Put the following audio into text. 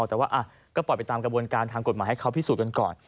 แต่ว่าก็ปล่อยไปตามกระบวนการทางกฎหมายให้เขาพิสูจนกันก่อน